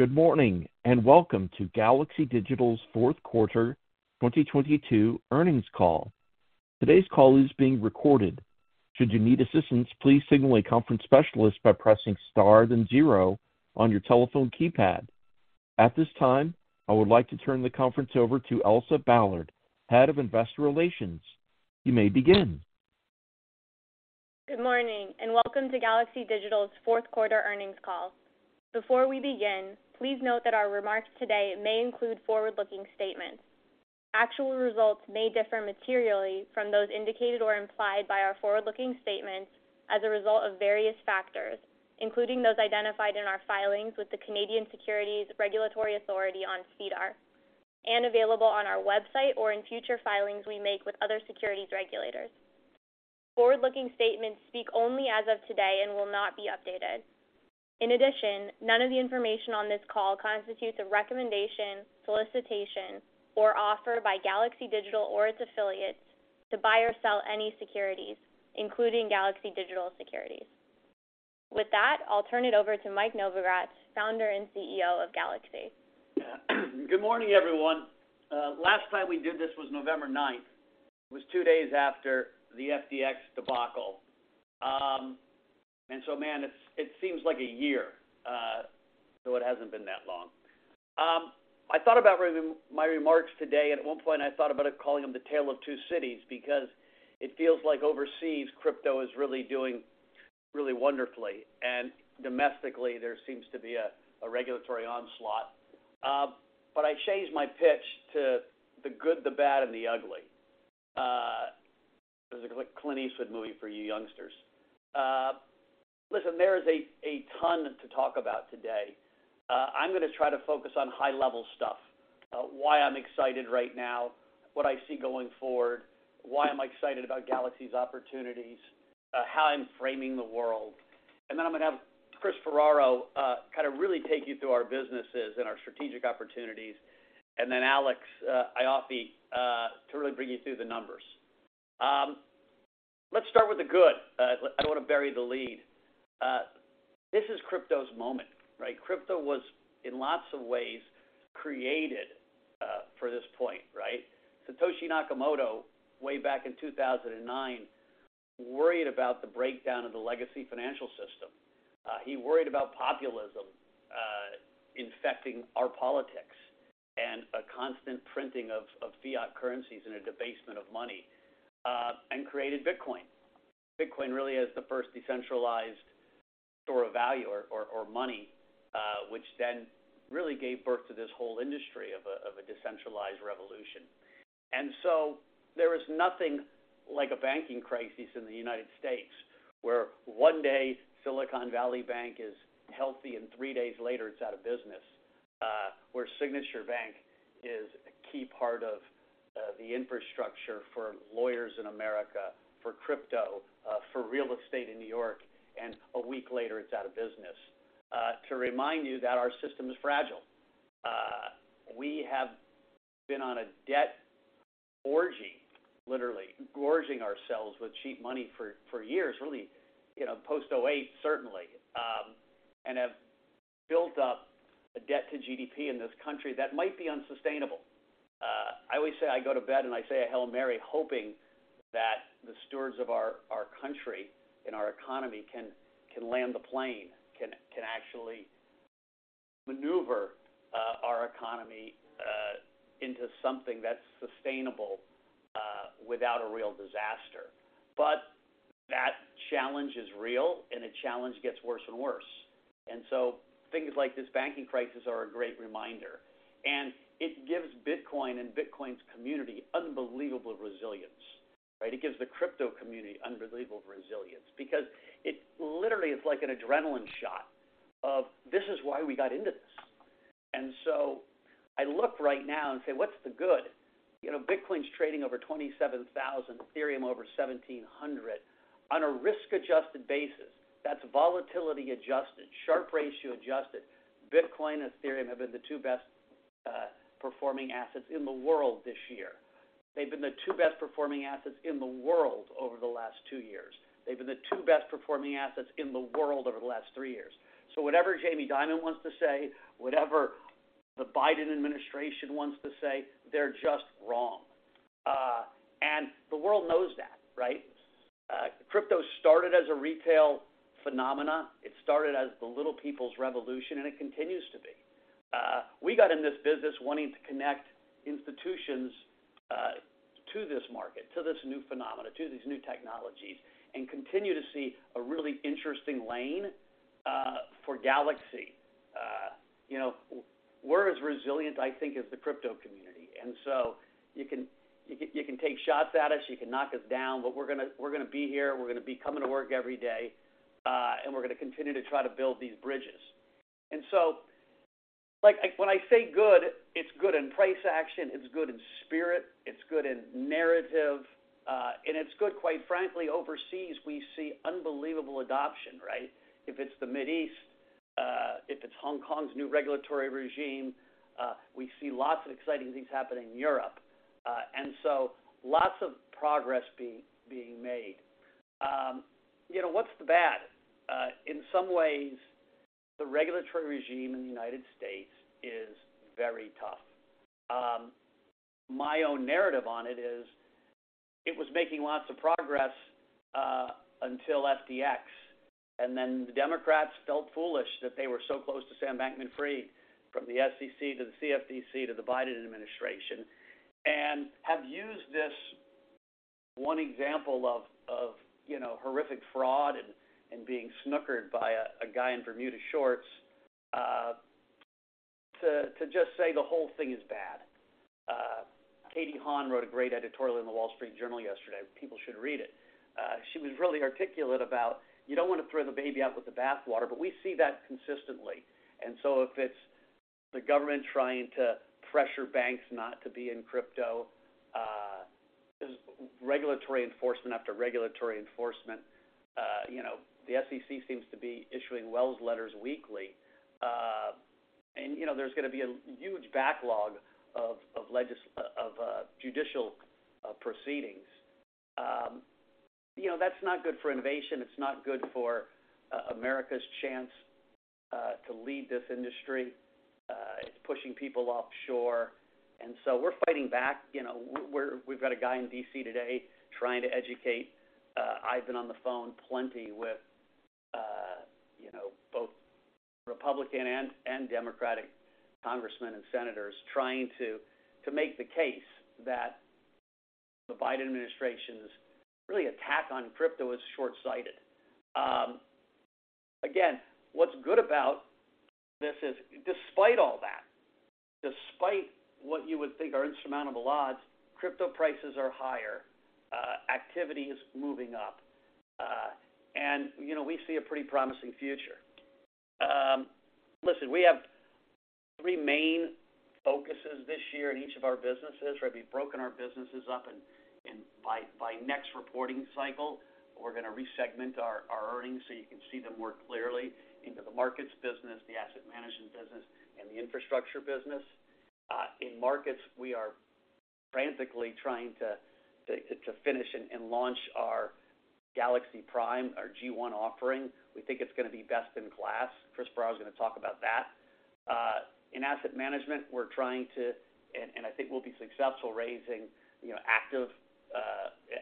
Good morning, welcome to Galaxy Digital's fourth quarter 2022 earnings call. Today's call is being recorded. Should you need assistance, please signal a conference specialist by pressing Star then zero on your telephone keypad. At this time, I would like to turn the conference over to Elsa Ballard, Head of Investor Relations. You may begin. Good morning. Welcome to Galaxy Digital's fourth quarter earnings call. Before we begin, please note that our remarks today may include forward-looking statements. Actual results may differ materially from those indicated or implied by our forward-looking statements as a result of various factors, including those identified in our filings with the Canadian Securities Regulatory Authority on SEDAR, and available on our website or in future filings we make with other securities regulators. Forward-looking statements speak only as of today and will not be updated. In addition, none of the information on this call constitutes a recommendation, solicitation, or offer by Galaxy Digital or its affiliates to buy or sell any securities, including Galaxy Digital securities. With that, I'll turn it over to Mike Novogratz, Founder and CEO of Galaxy. Good morning, everyone. Last time we did this was November 9th. It was two days after the FTX debacle. Man, it seems like one year, though it hasn't been that long. I thought about my remarks today, and at one point I thought about calling them the Tale of Two Cities because it feels like overseas crypto is really doing really wonderfully, and domestically there seems to be a regulatory onslaught. I changed my pitch to The Good, The Bad, And The Ugly. It was a Clint Eastwood movie for you youngsters. Listen, there is a ton to talk about today. I'm gonna try to focus on high-level stuff, why I'm excited right now, what I see going forward, why I'm excited about Galaxy's opportunities, how I'm framing the world. I'm gonna have Christopher Ferraro, kind of really take you through our businesses and our strategic opportunities. Alex Ioffe, to really bring you through the numbers. Let's start with the good. I don't wanna bury the lead. This is crypto's moment, right? Crypto was, in lots of ways, created, for this point, right? Satoshi Nakamoto, way back in 2009, worried about the breakdown of the legacy financial system. He worried about populism, infecting our politics and a constant printing of fiat currencies in a debasement of money, and created Bitcoin. Bitcoin really is the first decentralized store of value or money, which then really gave birth to this whole industry of a decentralized revolution. There is nothing like a banking crisis in the U.S., where one day Silicon Valley Bank is healthy and three days later it's out of business. Where Signature Bank is a key part of the infrastructure for lawyers in America, for crypto, for real estate in New York, and a week later it's out of business, to remind you that our system is fragile. We have been on a debt orgy, literally gorging ourselves with cheap money for years, really, you know, post-2008, certainly, and have built up a debt to GDP in this country that might be unsustainable. I always say I go to bed and I say a Hail Mary, hoping that the stewards of our country and our economy can land the plane, can actually maneuver our economy into something that's sustainable without a real disaster. That challenge is real, and the challenge gets worse and worse. Things like this banking crisis are a great reminder. It gives Bitcoin and Bitcoin's community unbelievable resilience, right? It gives the crypto community unbelievable resilience because it literally is like an adrenaline shot of, this is why we got into this. I look right now and say, "What's the good?" You know, Bitcoin's trading over $27,000, Ethereum over $1,700. On a risk-adjusted basis, that's volatility-adjusted, Sharpe ratio-adjusted, Bitcoin and Ethereum have been the two best performing assets in the world this year. They've been the two best-performing assets in the world over the last two years. They've been the two best-performing assets in the world over the last three years. Whatever Jamie Dimon wants to say, whatever the Biden administration wants to say, they're just wrong. The world knows that, right? Crypto started as a retail phenomena. It started as the little people's revolution, and it continues to be. We got in this business wanting to connect institutions to this market, to this new phenomena, to these new technologies, and continue to see a really interesting lane for Galaxy. You know, we're as resilient, I think, as the crypto community. You can take shots at us, you can knock us down, but we're gonna be here, we're gonna be coming to work every day, and we're gonna continue to try to build these bridges. Like, I when I say good, it's good in price action, it's good in spirit, it's good in narrative, and it's good, quite frankly, overseas. We see unbelievable adoption, right? If it's the Mid East, if it's Hong Kong's new regulatory regime, we see lots of exciting things happening in Europe. Lots of progress being made. You know, what's the bad? In some ways, the regulatory regime in the U.S. is very tough. My own narrative on it is it was making lots of progress, until FTX, then the Democrats felt foolish that they were so close to Sam Bankman-Fried from the SEC to the CFTC to the Biden administration, and have used this one example of, you know, horrific fraud and being snookered by a guy in Bermuda shorts, to just say the whole thing is bad. Caitlin Long wrote a great editorial in The Wall Street Journal yesterday. People should read it. She was really articulate about you don't want to throw the baby out with the bathwater, but we see that consistently. If it's the government trying to pressure banks not to be in crypto, there's regulatory enforcement after regulatory enforcement, you know, the SEC seems to be issuing Wells notice weekly. You know, there's gonna be a huge backlog of judicial proceedings. You know, that's not good for innovation. It's not good for America's chance to lead this industry. It's pushing people offshore. We're fighting back. You know, we've got a guy in D.C. today trying to educate. I've been on the phone plenty with, you know, both Republican and Democratic congressmen and senators trying to make the case that the Biden administration's really attack on crypto is shortsighted. Again, what's good about this is despite all that, despite what you would think are insurmountable odds, crypto prices are higher, activity is moving up, and, you know, we see a pretty promising future. Listen, we have three main focuses this year in each of our businesses, right? We've broken our businesses up and by next reporting cycle, we're gonna re-segment our earnings, so you can see them more clearly into the markets business, the asset management business, and the infrastructure business. In markets, we are frantically trying to finish and launch our Galaxy Prime, our G1 offering. We think it's gonna be best in class. Chris Ferraro's gonna talk about that. In asset management, we're trying to and I think we'll be successful raising, you know, active,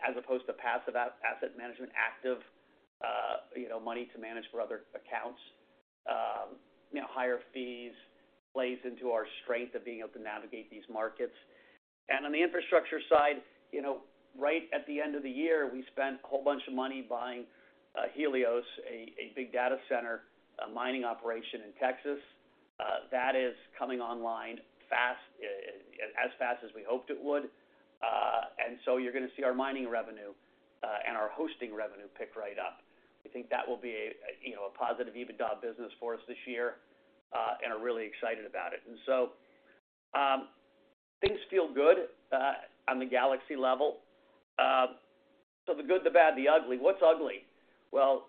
as opposed to passive asset management, active, you know, money to manage for other accounts. You know, higher fees plays into our strength of being able to navigate these markets. On the infrastructure side, you know, right at the end of the year, we spent a whole bunch of money buying Helios, a big data center, a mining operation in Texas. That is coming online fast, as fast as we hoped it would. You're gonna see our mining revenue and our hosting revenue pick right up. We think that will be a, you know, a positive EBITDA business for us this year and are really excited about it. Things feel good on the Galaxy level. The good, the bad, the ugly. What's ugly? Well,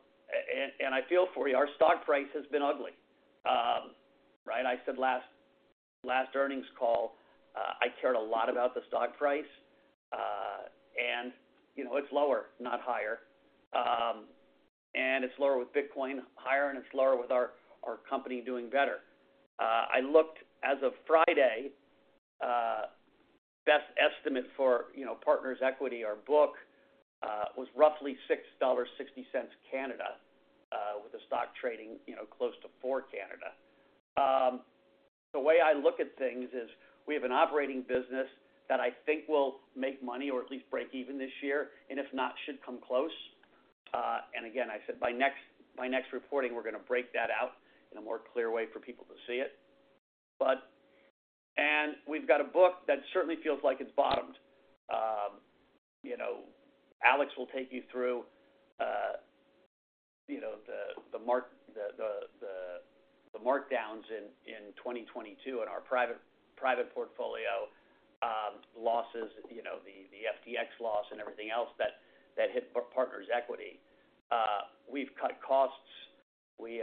and I feel for you, our stock price has been ugly. Right? I said last earnings call, I cared a lot about the stock price, you know, it's lower, not higher. It's lower with Bitcoin higher, and it's lower with our company doing better. I looked as of Friday, best estimate for, you know, partners' equity, our book, was roughly $6.60 Canada, with the stock trading, you know, close to four Canada. The way I look at things is we have an operating business that I think will make money or at least break even this year, and if not, should come close. Again, I said by next reporting, we're gonna break that out in a more clear way for people to see it. We've got a book that certainly feels like it's bottomed. You know, Alex will take you through, you know, the markdowns in 2022 in our private portfolio, losses, you know, the FTX loss and everything else that hit partners' equity. We've cut costs. We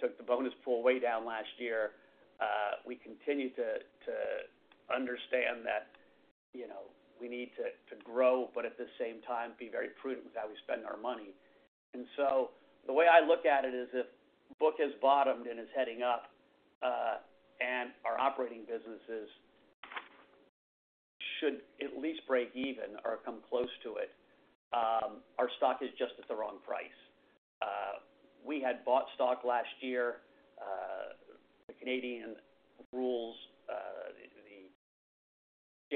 took the bonus pool way down last year. We continue to understand that, you know, we need to grow, but at the same time, be very prudent with how we spend our money. The way I look at it is if book has bottomed and is heading up, and our operating businesses should at least break even or come close to it, our stock is just at the wrong price. We had bought stock last year. The Canadian rules, the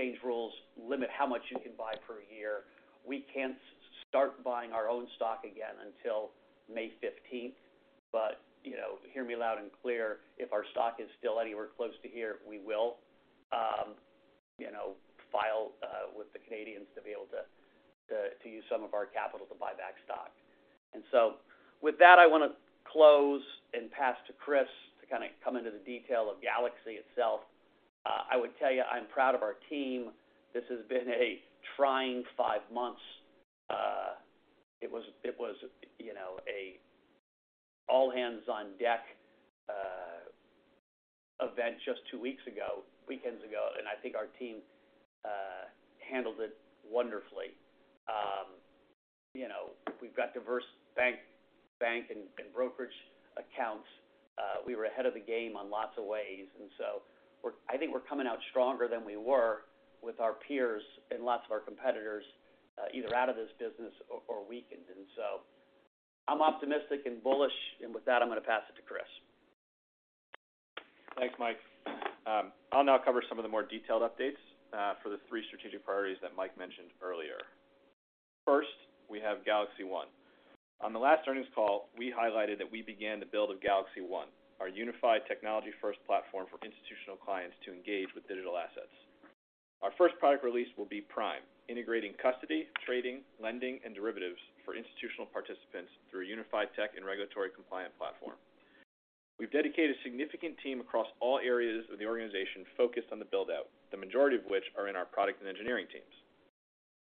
exchange rules limit how much you can buy per year. We can't start buying our own stock again until May 15th. You know, hear me loud and clear, if our stock is still anywhere close to here, we will, you know, file with the Canadians to be able to use some of our capital to buy back stock. With that, I wanna close and pass to Chris to kind of come into the detail of Galaxy itself. I would tell you, I'm proud of our team. This has been a trying five months. It was, you know, a all hands on deck. Event just two weeks ago, weekends ago, and I think our team handled it wonderfully. You know, we've got diverse bank and brokerage accounts. We were ahead of the game on lots of ways, and so I think we're coming out stronger than we were with our peers and lots of our competitors, either out of this business or weakened. I'm optimistic and bullish. I'm gonna pass it to Chris. Thanks, Mike. I'll now cover some of the more detailed updates for the three strategic priorities that Mike mentioned earlier. First, we have GalaxyOne. On the last earnings call, we highlighted that we began the build of GalaxyOne, our unified technology-first platform for institutional clients to engage with digital assets. Our first product release will be Prime, integrating custody, trading, lending, and derivatives for institutional participants through a unified tech and regulatory compliant platform. We've dedicated a significant team across all areas of the organization focused on the build-out, the majority of which are in our product and engineering teams.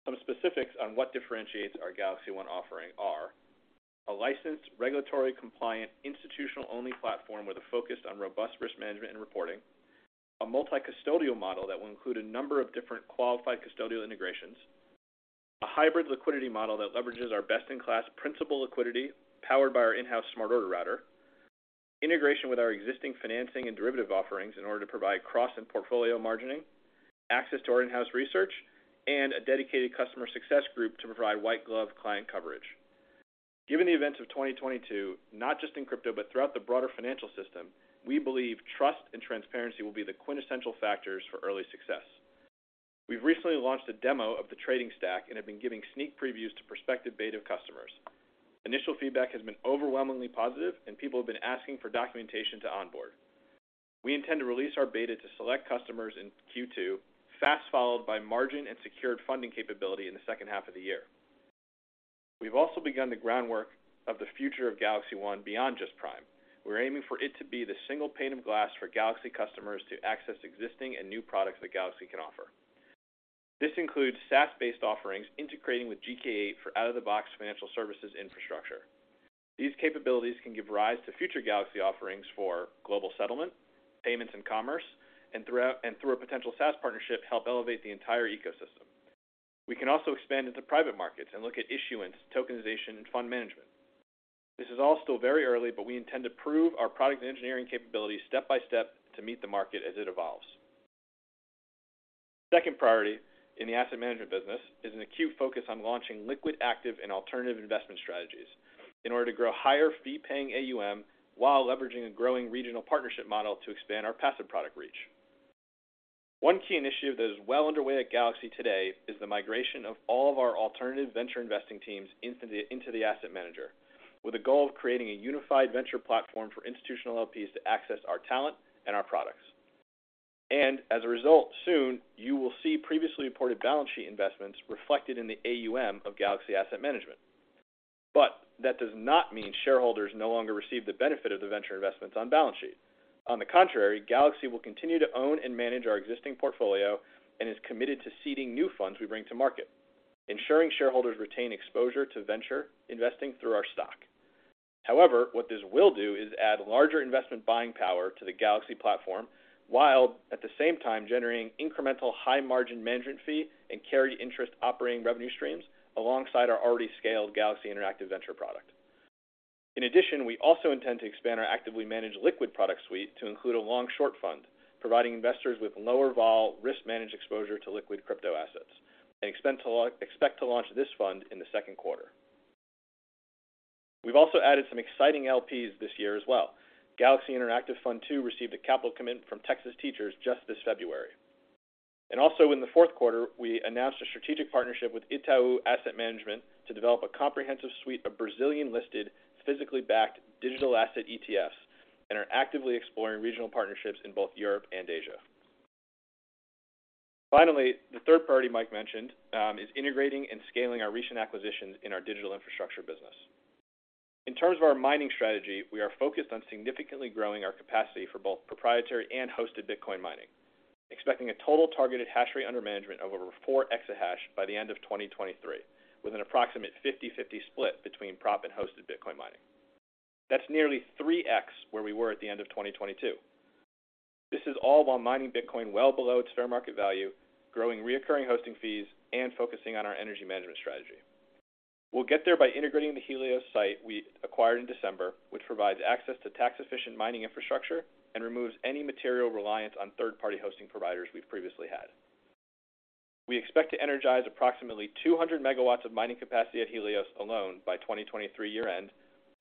Some specifics on what differentiates our GalaxyOne offering are: a licensed, regulatory compliant, institutional-only platform with a focus on robust risk management and reporting, a multi-custodial model that will include a number of different qualified custodial integrations, a hybrid liquidity model that leverages our best-in-class principal liquidity, powered by our in-house smart order router, integration with our existing financing and derivative offerings in order to provide cross and portfolio margining, access to our in-house research, and a dedicated customer success group to provide white glove client coverage. Given the events of 2022, not just in crypto, but throughout the broader financial system, we believe trust and transparency will be the quintessential factors for early success. We've recently launched a demo of the trading stack and have been giving sneak previews to prospective beta customers. Initial feedback has been overwhelmingly positive, people have been asking for documentation to onboard. We intend to release our beta to select customers in Q2, fast followed by margin and secured funding capability in the second half of the year. We've also begun the groundwork of the future of GalaxyOne beyond just Prime. We're aiming for it to be the single pane of glass for Galaxy customers to access existing and new products that Galaxy can offer. This includes SaaS-based offerings integrating with GKE for out-of-the-box financial services infrastructure. These capabilities can give rise to future Galaxy offerings for global settlement, payments and commerce, and through a potential SaaS partnership, help elevate the entire ecosystem. We can also expand into private markets and look at issuance, tokenization, and fund management. This is all still very early. We intend to prove our product and engineering capabilities step by step to meet the market as it evolves. Second priority in the asset management business is an acute focus on launching liquid, active, and alternative investment strategies in order to grow higher fee-paying AUM, while leveraging a growing regional partnership model to expand our passive product reach. One key initiative that is well underway at Galaxy today is the migration of all of our alternative venture investing teams into the asset manager, with a goal of creating a unified venture platform for institutional LPs to access our talent and our products. As a result, soon, you will see previously reported balance sheet investments reflected in the AUM of Galaxy Asset Management. That does not mean shareholders no longer receive the benefit of the venture investments on balance sheet. On the contrary, Galaxy will continue to own and manage our existing portfolio and is committed to seeding new funds we bring to market, ensuring shareholders retain exposure to venture investing through our stock. However, what this will do is add larger investment buying power to the Galaxy platform, while at the same time generating incremental high margin management fee and carry interest operating revenue streams alongside our already scaled Galaxy Interactive venture product. In addition, we also intend to expand our actively managed liquid product suite to include a long, short fund, providing investors with lower vol risk managed exposure to liquid crypto assets, and expect to launch this fund in the second quarter. We've also added some exciting LPs this year as well. Galaxy Interactive Fund II received a capital commitment from Texas Teachers just this February. Also in the fourth quarter, we announced a strategic partnership with Itaú Asset Management to develop a comprehensive suite of Brazilian-listed, physically backed digital asset ETFs and are actively exploring regional partnerships in both Europe and Asia. Finally, the third priority Mike mentioned, is integrating and scaling our recent acquisitions in our digital infrastructure business. In terms of our mining strategy, we are focused on significantly growing our capacity for both proprietary and hosted Bitcoin mining, expecting a total targeted hashrate under management of over four exahash by the end of 2023, with an approximate 50/50 split between prop and hosted Bitcoin mining. That's nearly 3x where we were at the end of 2022. This is all while mining Bitcoin well below its fair market value, growing recurring hosting fees, and focusing on our energy management strategy. We'll get there by integrating the Helios site we acquired in December, which provides access to tax-efficient mining infrastructure and removes any material reliance on third-party hosting providers we've previously had. We expect to energize approximately 200 megawatts of mining capacity at Helios alone by 2023 year end,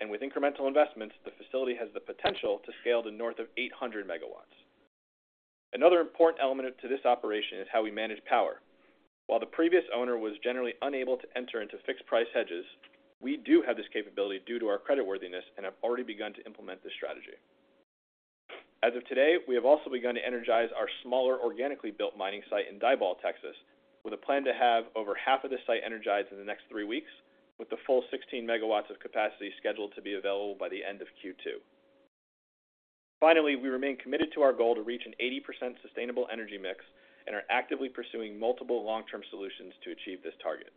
with incremental investments, the facility has the potential to scale to north of 800 megawatts. Another important element to this operation is how we manage power. While the previous owner was generally unable to enter into fixed price hedges, we do have this capability due to our creditworthiness and have already begun to implement this strategy. As of today, we have also begun to energize our smaller organically built mining site in Diboll, Texas, with a plan to have over half of the site energized in the next three weeks, with the full 16 megawatts of capacity scheduled to be available by the end of Q2. Finally, we remain committed to our goal to reach an 80% sustainable energy mix and are actively pursuing multiple long-term solutions to achieve this target.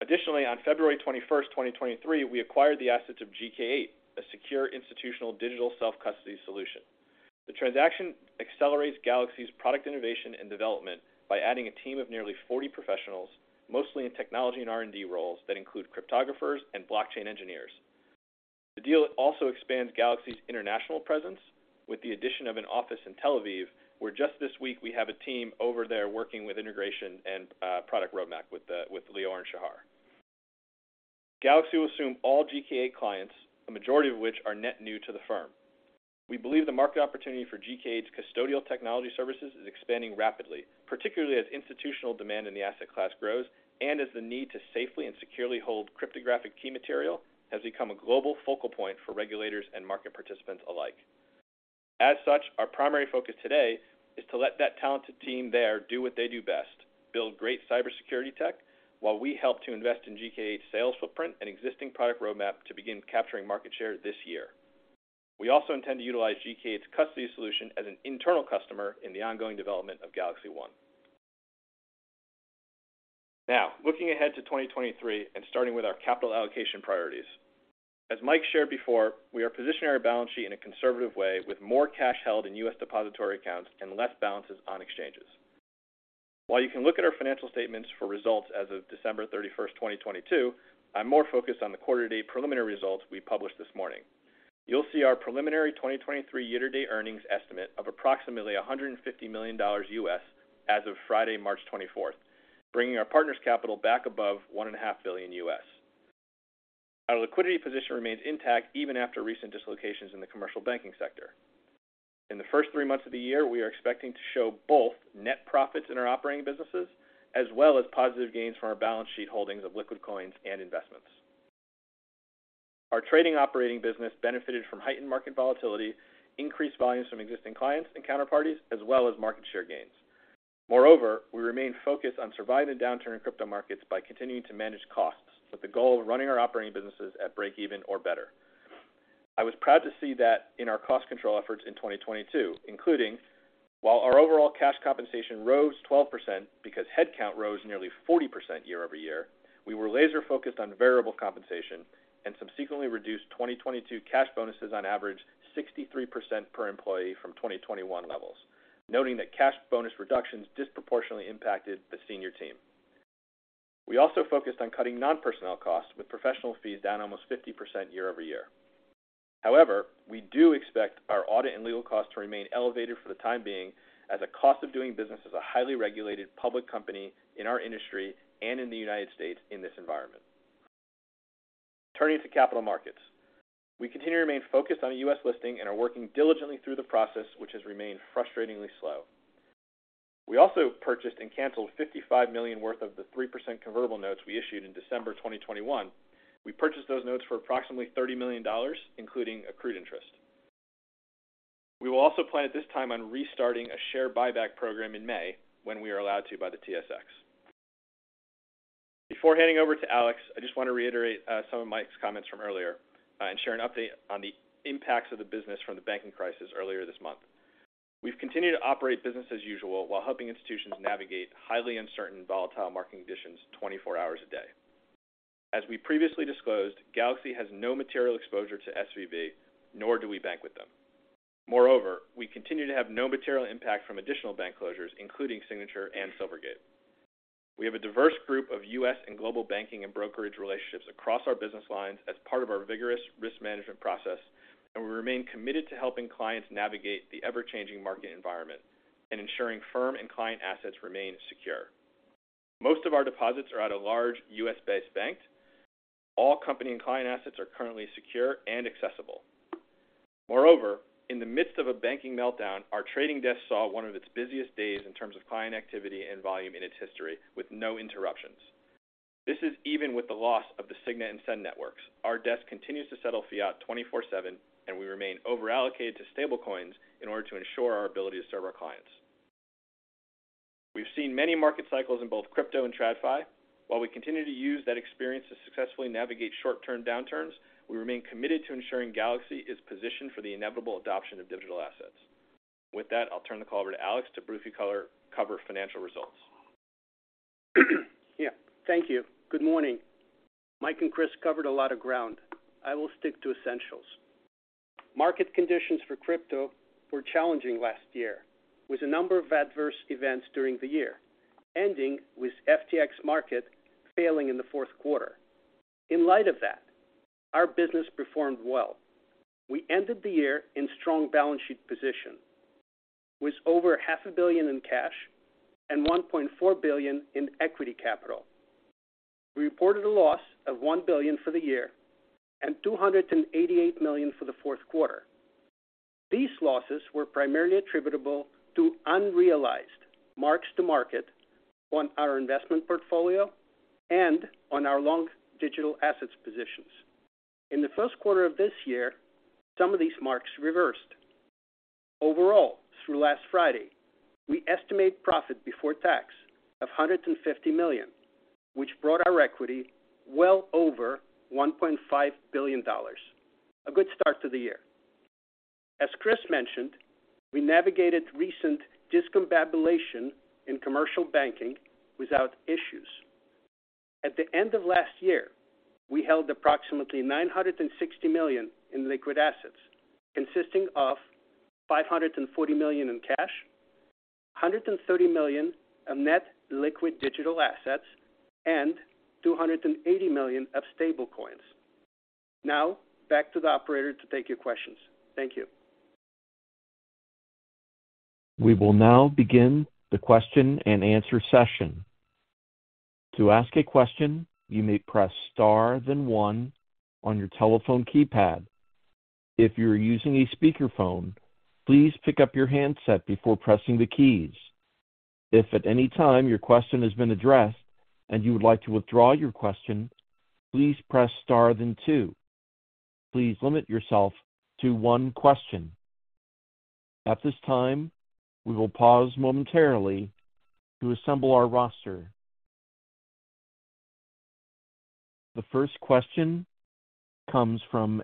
Additionally, on February 21, 2023, we acquired the assets of GK8, a secure institutional digital self-custody solution. The transaction accelerates Galaxy's product innovation and development by adding a team of nearly 40 professionals, mostly in technology and R&D roles that include cryptographers and blockchain engineers. The deal also expands Galaxy's international presence with the addition of an office in Tel Aviv, where just this week we have a team over there working with integration and product roadmap with Lior and Shahar. Galaxy will assume all GK8 clients, a majority of which are net new to the firm. We believe the market opportunity for GK8's custodial technology services is expanding rapidly, particularly as institutional demand in the asset class grows and as the need to safely and securely hold cryptographic key material has become a global focal point for regulators and market participants alike. As such, our primary focus today is to let that talented team there do what they do best, build great cybersecurity tech while we help to invest in GK8 sales footprint and existing product roadmap to begin capturing market share this year. We also intend to utilize GK8's custody solution as an internal customer in the ongoing development of GalaxyOne. Looking ahead to 2023 and starting with our capital allocation priorities. As Mike shared before, we are positioning our balance sheet in a conservative way with more cash held in U.S. depository accounts and less balances on exchanges. While you can look at our financial statements for results as of December 31st, 2022, I'm more focused on the quarter-to-date preliminary results we published this morning. You'll see our preliminary 2023 year-to-date earnings estimate of approximately $150 million as of Friday, March 24th, bringing our partners' capital back above one and a half billion U.S. Our liquidity position remains intact even after recent dislocations in the commercial banking sector. In the first three months of the year, we are expecting to show both net profits in our operating businesses as well as positive gains from our balance sheet holdings of liquid coins and investments. Moreover, our trading operating business benefited from heightened market volatility, increased volumes from existing clients and counterparties, as well as market share gains. We remain focused on surviving the downturn in crypto markets by continuing to manage costs, with the goal of running our operating businesses at break even or better. I was proud to see that in our cost control efforts in 2022, including while our overall cash compensation rose 12% because headcount rose nearly 40% year-over-year, we were laser focused on variable compensation and subsequently reduced 2022 cash bonuses on average 63% per employee from 2021 levels, noting that cash bonus reductions disproportionately impacted the senior team. We also focused on cutting non-personnel costs, with professional fees down almost 50% year-over-year. However, we do expect our audit and legal costs to remain elevated for the time being as a cost of doing business as a highly regulated public company in our industry and in the U.S. in this environment. Turning to capital markets. We continue to remain focused on a U.S. listing and are working diligently through the process, which has remained frustratingly slow. We also purchased and canceled $55 million worth of the 3% convertible notes we issued in December 2021. We purchased those notes for approximately $30 million, including accrued interest. We will also plan at this time on restarting a share buyback program in May when we are allowed to by the TSX. Before handing over to Alex, I just want to reiterate some of Mike's comments from earlier and share an update on the impacts of the business from the banking crisis earlier this month. We've continued to operate business as usual while helping institutions navigate highly uncertain volatile marketing conditions 24 hours a day. As we previously disclosed, Galaxy has no material exposure to SVB, nor do we bank with them. We continue to have no material impact from additional bank closures, including Signature and Silvergate. We have a diverse group of U.S. and global banking and brokerage relationships across our business lines as part of our vigorous risk management process. We remain committed to helping clients navigate the ever-changing market environment and ensuring firm and client assets remain secure. Most of our deposits are at a large U.S.-based bank. All company and client assets are currently secure and accessible. Moreover, in the midst of a banking meltdown, our trading desk saw one of its busiest days in terms of client activity and volume in its history with no interruptions. This is even with the loss of the Signet and SEN networks. Our desk continues to settle fiat 24/7. We remain over-allocated to stablecoins in order to ensure our ability to serve our clients. We've seen many market cycles in both crypto and TradFi. While we continue to use that experience to successfully navigate short-term downturns, we remain committed to ensuring Galaxy is positioned for the inevitable adoption of digital assets. With that, I'll turn the call over to Alex to briefly cover financial results. Yeah. Thank you. Good morning. Mike and Chris covered a lot of ground. I will stick to essentials. Market conditions for crypto were challenging last year, with a number of adverse events during the year, ending with FTX market failing in the fourth quarter. In light of that, our business performed well. We ended the year in strong balance sheet position, with over half a billion in cash and $1.4 billion in equity capital. We reported a loss of $1 billion for the year and $288 million for the fourth quarter. These losses were primarily attributable to unrealized marks to market on our investment portfolio and on our long digital assets positions. In the first quarter of this year, some of these marks reversed. Overall, through last Friday, we estimate profit before tax of $150 million, which brought our equity well over $1.5 billion. A good start to the year. As Chris mentioned, we navigated recent discombobulation in commercial banking without issues. At the end of last year, we held approximately $960 million in liquid assets, consisting of $540 million in cash, $130 million of net liquid digital assets, and $280 million of stablecoins. Back to the operator to take your questions. Thank you. We will now begin the question and answer session. To ask a question, you may press star than one on your telephone keypad. If you're using a speakerphone, please pick up your handset before pressing the keys. If at any time your question has been addressed and you would like to withdraw your question, please press star than two. Please limit yourself to one question. At this time, we will pause momentarily to assemble our roster. The first question comes from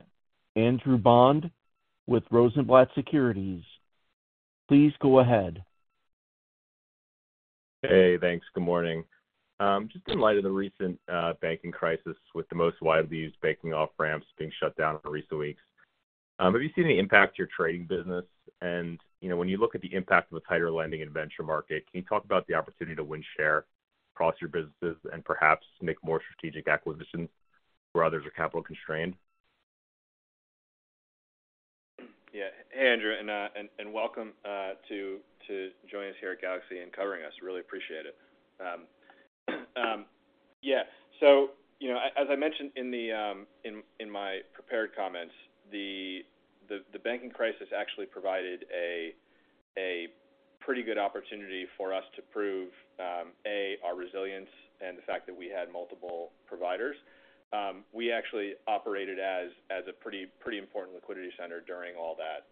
Andrew Bond with Rosenblatt Securities. Please go ahead. Hey, thanks. Good morning. Just in light of the recent banking crisis, with the most widely used banking off-ramps being shut down in recent weeks, have you seen any impact to your trading business? You know, when you look at the impact of a tighter lending and venture market, can you talk about the opportunity to win share across your businesses and perhaps make more strategic acquisitions where others are capital constrained? Yeah. Hey, Andrew, and welcome to joining us here at Galaxy and covering us. Really appreciate it. Yeah. You know, as I mentioned in my prepared comments, the banking crisis actually provided a pretty good opportunity for us to prove A, our resilience and the fact that we had multiple providers. We actually operated as a pretty important liquidity center during all that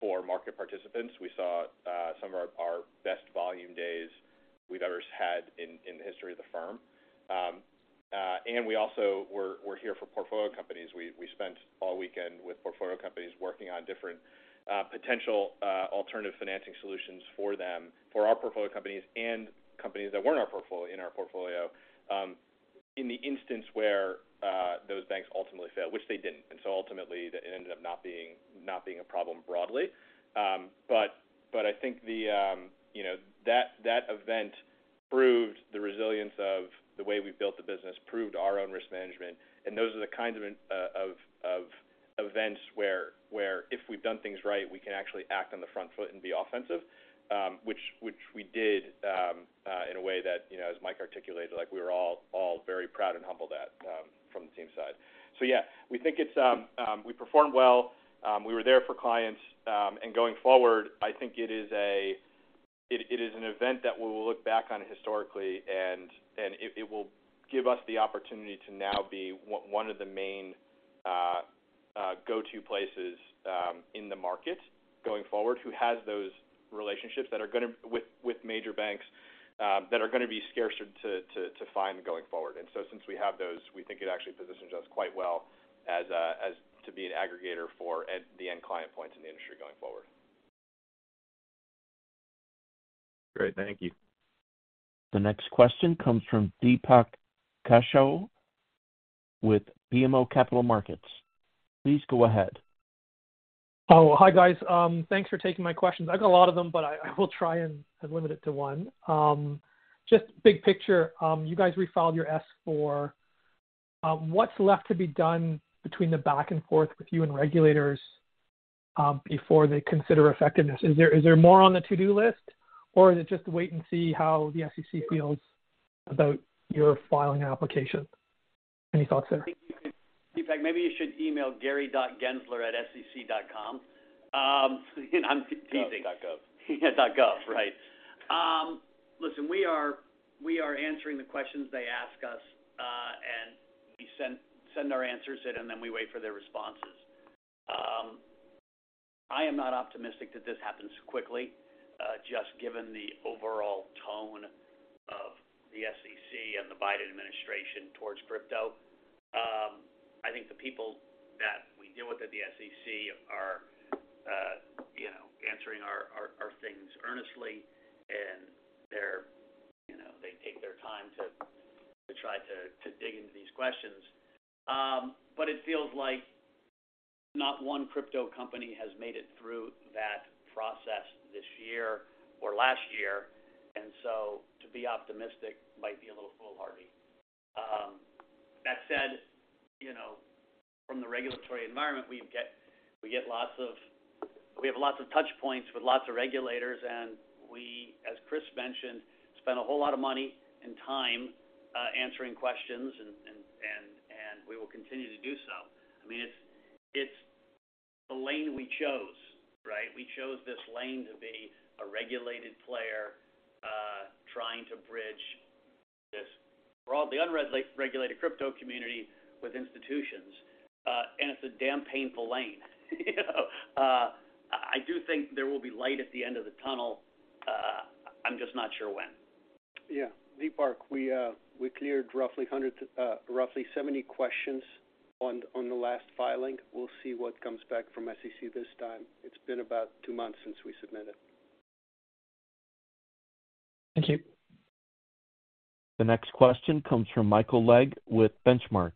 for market participants. We saw some of our best volume days we've ever had in the history of the firm. And we also were here for portfolio companies. We spent all weekend with portfolio companies working on different, potential, alternative financing solutions for them, for our portfolio companies and companies that weren't in our portfolio, in the instance where those banks ultimately failed, which they didn't. Ultimately, it ended up not being a problem broadly. I think the, you know, that event proved the resilience of the way we built the business, proved our own risk management. Those are the kinds of events where if we've done things right, we can actually act on the front foot and be offensive, which we did, in a way that, you know, as Mike articulated, like, we were all very proud and humbled at from the team side. Yeah, we think it's. We performed well, we were there for clients. Going forward, I think it is an event that we will look back on historically and it will give us the opportunity to now be one of the main go-to places in the market going forward, who has those relationships that are gonna with major banks that are gonna be scarcer to find going forward. Since we have those, we think it actually positions us quite well as to be an aggregator for the end client points in the industry going forward. Great. Thank you. The next question comes from Deepak Kaushal with BMO Capital Markets. Please go ahead. Oh, hi, guys. Thanks for taking my questions. I've got a lot of them, but I will try and limit it to one. Just big picture, you guys refiled your S-4. What's left to be done between the back and forth with you and regulators, before they consider effectiveness? Is there more on the to-do list, or is it just wait and see how the SEC feels about your filing application? Any thoughts there? Deepak, maybe you should email Gary.Gensler@SEC.com. I'm teasing. Dot, dot gov. Yeah, dot gov. Right. Listen, we are answering the questions they ask us, and we send our answers in, and then we wait for their responses. I am not optimistic that this happens quickly, just given the overall tone of the SEC and the Biden administration towards crypto. I think the people that we deal with at the SEC are, you know, answering our things earnestly, and they're, you know, they take their time to try to dig into these questions. It feels like not one crypto company has made it through that process this year or last year, and so to be optimistic might be a little foolhardy. That said, you know, from the regulatory environment we get we have lots of touch points with lots of regulators, and we, as Chris mentioned, spend a whole lot of money and time, answering questions, and we will continue to do so. I mean, it's the lane we chose, right? We chose this lane to be a regulated player, trying to bridge this broadly unregulated crypto community with institutions. It's a damn painful lane. I do think there will be light at the end of the tunnel. I'm just not sure when. Yeah. Deepak, we cleared roughly 70 questions on the last filing. We'll see what comes back from SEC this time. It's been about two months since we submitted. Thank you. The next question comes from Michael Legg with Benchmark.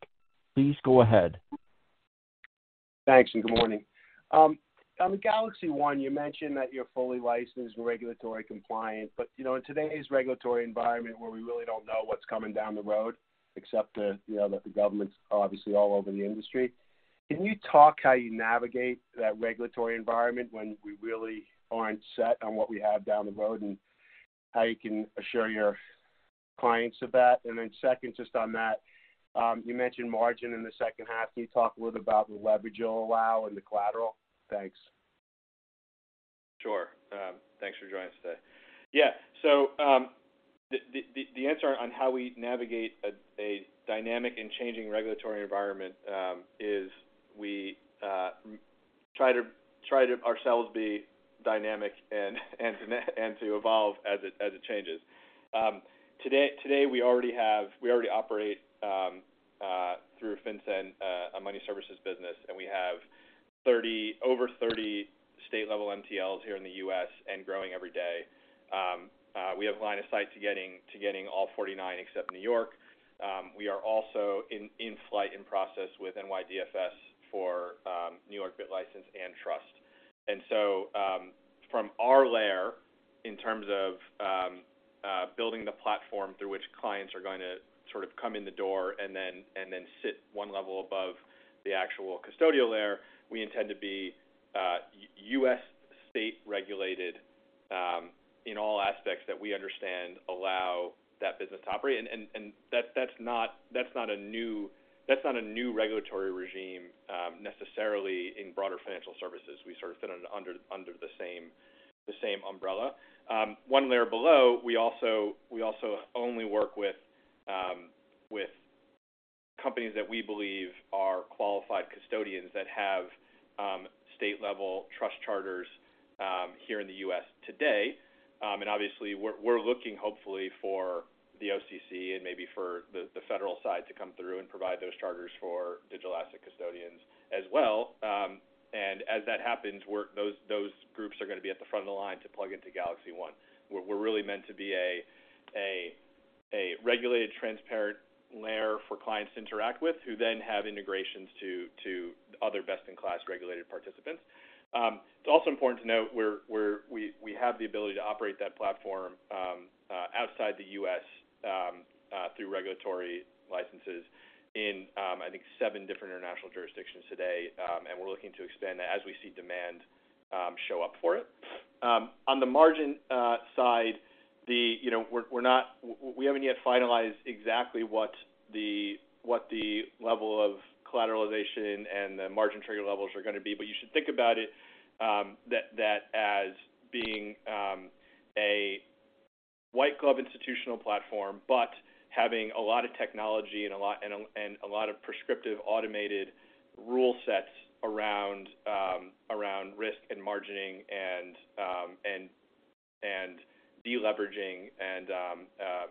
Please go ahead. Thanks, good morning. On GalaxyOne, you mentioned that you're fully licensed and regulatory compliant, you know, in today's regulatory environment where we really don't know what's coming down the road except, you know, that the government's obviously all over the industry, can you talk how you navigate that regulatory environment when we really aren't set on what we have down the road and how you can assure your clients of that? Second, just on that, you mentioned margin in the second half. Can you talk a little about the leverage allow and the collateral? Thanks. Sure. Thanks for joining us today. The answer on how we navigate a dynamic and changing regulatory environment is we try to ourselves be dynamic and to evolve as it changes. Today, we already operate through FinCEN a money services business, and we have 30... over 30 state-level MTLs here in the U.S. and growing every day. We have line of sight to getting all 49 except New York. We are also in flight in process with NYDFS for New York BitLicense and Trust. From our layer, in terms of building the platform through which clients are gonna sort of come in the door and then, and then sit one level above the actual custodial layer, we intend to be US state regulated in all aspects that we understand allow that business to operate. That's not a new regulatory regime necessarily in broader financial services. We sort of fit under the same umbrella. One layer below, we also only work with companies that we believe are qualified custodians that have state-level trust charters here in the US today. Obviously, we're looking hopefully for the OCC and maybe for the federal side to come through and provide those charters for digital asset custodians as well. As that happens, those groups are gonna be at the front of the line to plug into GalaxyOne. We're really meant to be a regulated, transparent layer for clients to interact with, who then have integrations to other best-in-class regulated participants. It's also important to note we have the ability to operate that platform outside the U.S. through regulatory licenses in I think seven different international jurisdictions today. We're looking to extend that as we see demand show up for it. On the margin side, the. you know, we're not, we haven't yet finalized exactly what the level of collateralization and the margin trigger levels are gonna be, you should think about it, that as being a white glove institutional platform, but having a lot of technology and a lot of prescriptive automated rule sets around risk and margining and de-leveraging and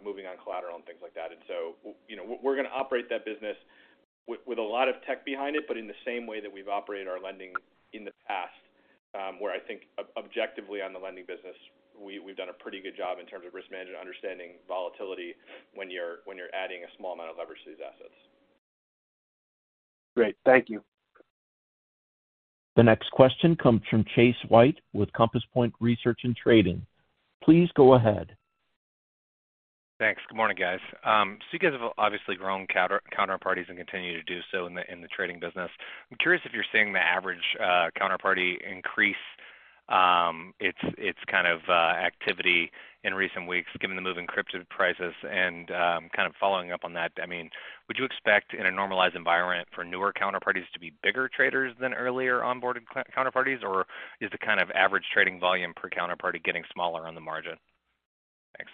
moving on collateral and things like that. we're gonna operate that business with a lot of tech behind it, but in the same way that we've operated our lending in the past, where I think objectively on the lending business, we've done a pretty good job in terms of risk management, understanding volatility when you're adding a small amount of leverage to these assets. Great. Thank you. The next question comes from Chase White with Compass Point Research & Trading. Please go ahead. Thanks. Good morning, guys. You guys have obviously grown counterparties and continue to do so in the trading business. I'm curious if you're seeing the average counterparty increase its kind of activity in recent weeks given the move in crypto prices. I mean, would you expect in a normalized environment for newer counterparties to be bigger traders than earlier onboarded counterparties, or is the kind of average trading volume per counterparty getting smaller on the margin? Thanks.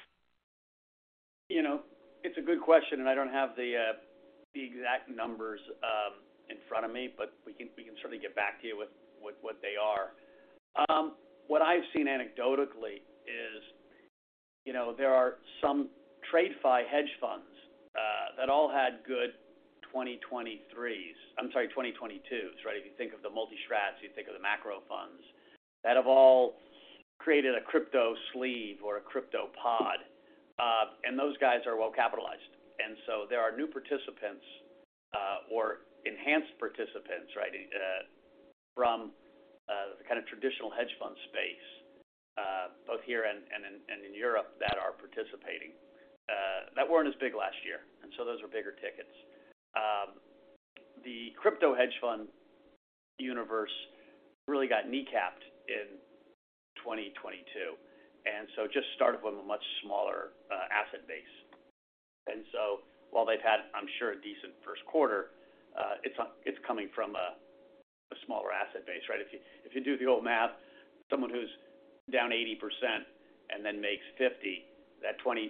You know, it's a good question, and I don't have the exact numbers in front of me, but we can certainly get back to you with what they are. What I've seen anecdotally is, you know, there are some trade fi hedge funds that all had good 2023s... I'm sorry, 2022s, right? If you think of the multi-strats, you think of the macro funds that have all created a crypto sleeve or a crypto pod, and those guys are well-capitalized. There are new participants, or enhanced participants, right, from the kind of traditional hedge fund space, both here and in Europe that are participating, that weren't as big last year, those are bigger tickets. The crypto hedge fund universe really got kneecapped in 2022. Just started from a much smaller asset base. While they've had, I'm sure, a decent first quarter, it's coming from a smaller asset base, right? If you, if you do the old math, someone who's down 80% and then makes 50At 20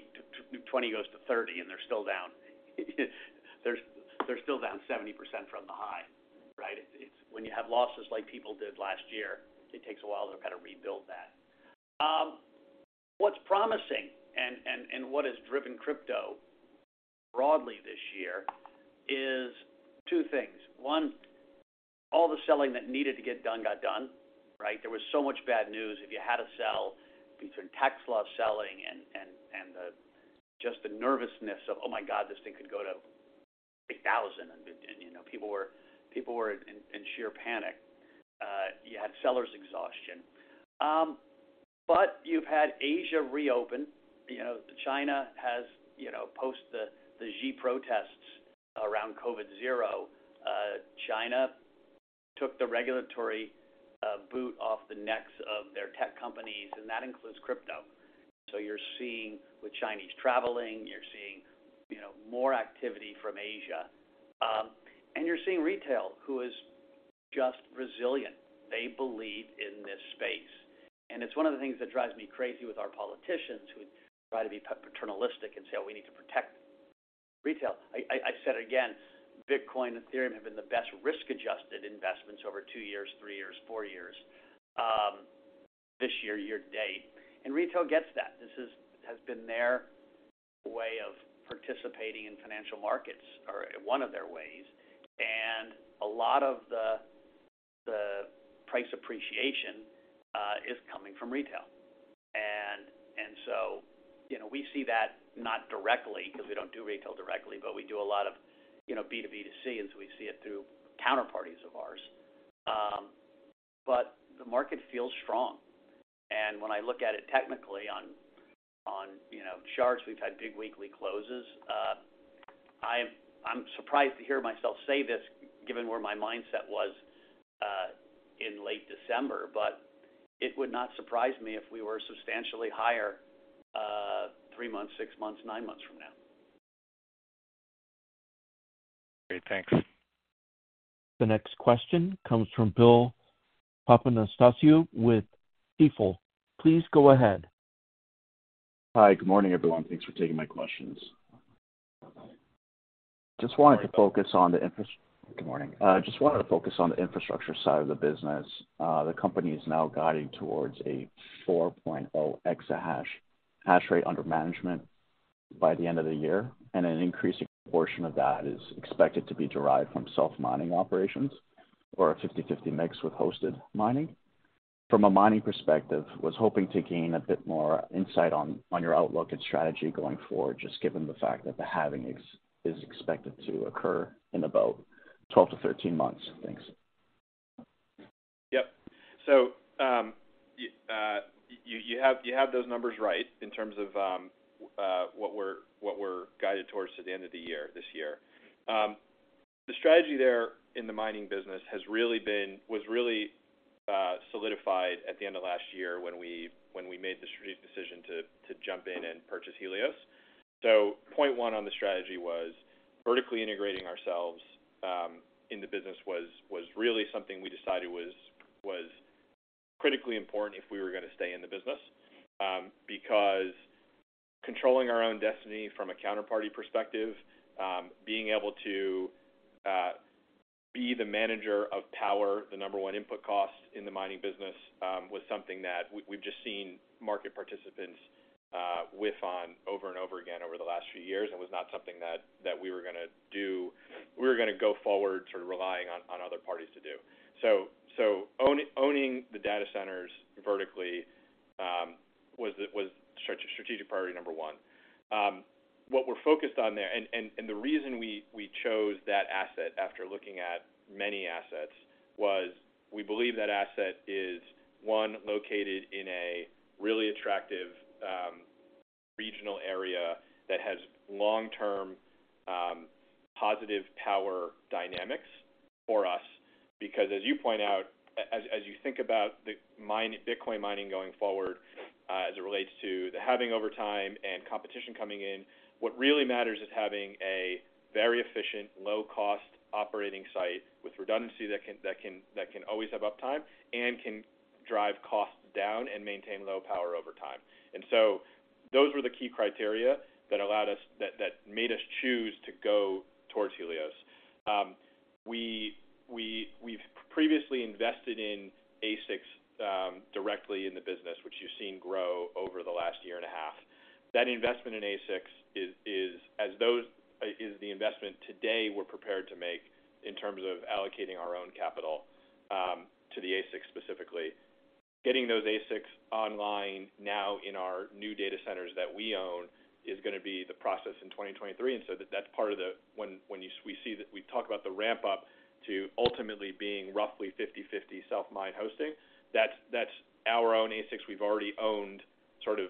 goes to 30 and they're still down They're still down 70% from the high, right? It's when you have losses like people did last year, it takes a while to kind of rebuild that. What's promising and what has driven crypto broadly this year is two things. one, all the selling that needed to get done got done, right? There was so much bad news if you had to sell between tax law selling and just the nervousness of, "Oh my God, this thing could go to $8,000." You know, people were in sheer panic. You had sellers exhaustion. You've had Asia reopen. You know, China has, you know, post the Xi protests around COVID zero, China took the regulatory boot off the necks of their tech companies, and that includes crypto. You're seeing with Chinese traveling, you're seeing, you know, more activity from Asia, and you're seeing retail who is just resilient. They believe in this space. It's one of the things that drives me crazy with our politicians who try to be paternalistic and say, "Oh, we need to protect retail." I said again, Bitcoin and Ethereum have been the best risk-adjusted investments over two years, three years, four years, this year to date. Retail gets that. This has been their way of participating in financial markets or one of their ways. A lot of the price appreciation is coming from retail. So, you know, we see that not directly because we don't do retail directly, but we do a lot of, you know, B2B2C, and so we see it through counterparties of ours. But the market feels strong. When I look at it technically on, you know, charts, we've had big weekly closes. I'm surprised to hear myself say this given where my mindset was in late December, but it would not surprise me if we were substantially higher, three months, six months, nine months from now. Great. Thanks. The next question comes from Bill Papanastasiou with Stifel. Please go ahead. Hi. Good morning, everyone. Thanks for taking my questions. Just wanted to focus on the infrastructure side of the business. The company is now guiding towards a 4.0 exahash hashrate under management by the end of the year, and an increasing portion of that is expected to be derived from self-mining operations or a 50/50 mix with hosted mining. From a mining perspective, was hoping to gain a bit more insight on your outlook and strategy going forward, just given the fact that the halving is expected to occur in about 12-13 months. Thanks. Yep. You have those numbers right in terms of what we're guided towards to the end of the year this year. The strategy there in the mining business was really solidified at the end of last year when we made the strategic decision to jump in and purchase Helios. Point one on the strategy was vertically integrating ourselves in the business was really something we decided was critically important if we were gonna stay in the business. Because controlling our own destiny from a counterparty perspective, being able to be the manager of power, the number one input cost in the mining business, was something that we've just seen market participants whiff on over and over again over the last few years and was not something that we were gonna do. We were gonna go forward sort of relying on other parties to do. Owning the data centers vertically was strategic priority number one. What we're focused on there and the reason we chose that asset after looking at many assets was we believe that asset is, one, located in a really attractive regional area that has long-term positive power dynamics for us. As you point out, as you think about Bitcoin mining going forward, as it relates to the halving over time and competition coming in, what really matters is having a very efficient, low-cost operating site with redundancy that can always have uptime and can drive costs down and maintain low power over time. Those were the key criteria that made us choose to go towards Helios. We've previously invested in ASICs directly in the business, which you've seen grow over the last year and a half. That investment in ASICs is as those is the investment today we're prepared to make in terms of allocating our own capital to the ASIC specifically. Getting those ASICs online now in our new data centers that we own is gonna be the process in 2023. That's part of the we talk about the ramp up to ultimately being roughly 50/50 self-mined hosting, that's our own ASICs we've already owned sort of,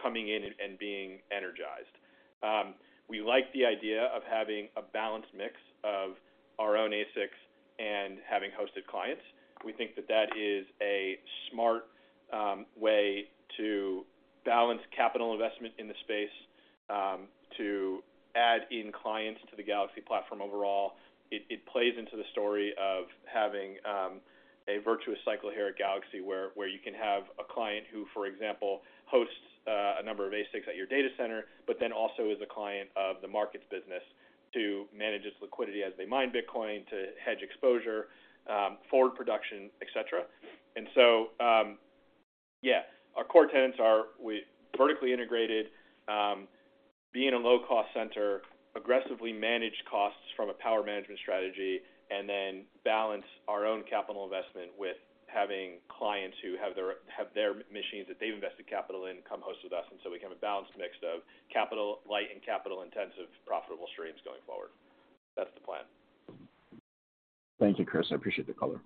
coming in and being energized. We like the idea of having a balanced mix of our own ASICs and having hosted clients. We think that that is a smart way to balance capital investment in the space to add in clients to the Galaxy platform overall, it plays into the story of having a virtuous cycle here at Galaxy where you can have a client who, for example, hosts a number of ASICs at your data center, but then also is a client of the markets business to manage its liquidity as they mine Bitcoin to hedge exposure, forward production, et cetera. Yeah, our core tenets are we vertically integrated, be in a low-cost center, aggressively manage costs from a power management strategy, and then balance our own capital investment with having clients who have their machines that they've invested capital in come host with us. We have a balanced mix of capital light and capital intensive profitable streams going forward. That's the plan. Thank you, Chris. I appreciate the color.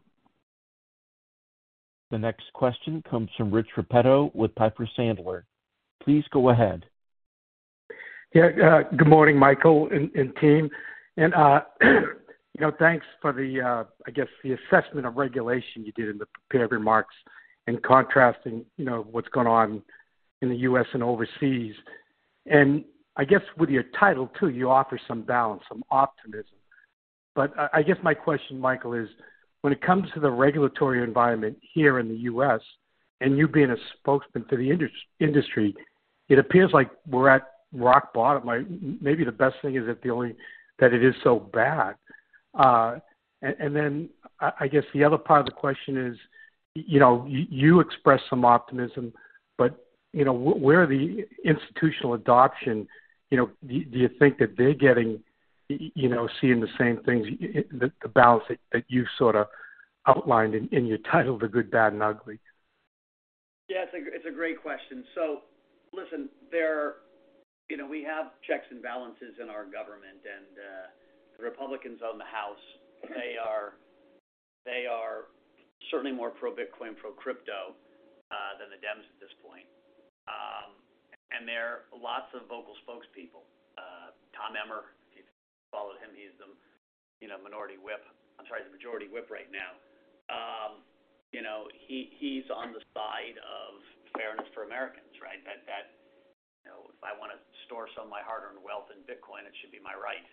The next question comes from Rich Repetto with Piper Sandler. Please go ahead. Yeah, good morning, Michael and team, and, you know, thanks for the, I guess, the assessment of regulation you did in the prepared remarks and contrasting, you know, what's going on in the U.S. and overseas. I guess with your title too, you offer some balance, some optimism. I guess my question, Michael, is when it comes to the regulatory environment here in the U.S. and you being a spokesman for the industry, it appears like we're at rock bottom. Like, maybe the best thing is that the only that it is so bad. Then I guess the other part of the question is, you know, you expressed some optimism, but, you know, where are the institutional adoption? You know, do you think that they're getting, you know, seeing the same things, the balance that you sort of outlined in your title, The Good, Bad and Ugly? Yeah. It's a great question. Listen, there are, you know, we have checks and balances in our government, and the Republicans own the House. They are certainly more pro-Bitcoin, pro-crypto than the Dems at this point. There are lots of vocal spokespeople. Tom Emmer, if you followed him, he's the, you know, minority whip. I'm sorry, the majority whip right now. You know, he's on the side of fairness for Americans, right? That, you know, if I wanna store some of my hard-earned wealth in Bitcoin, it should be my right.